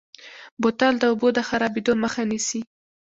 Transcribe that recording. بوتل د اوبو د خرابېدو مخه نیسي.